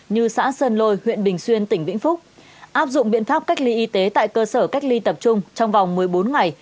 như xã sơn lôi huyện bình xuyên tỉnh vĩnh phúc áp dụng biện pháp cách ly y tế tại cơ sở cách ly tập trung trong vòng một mươi bốn ngày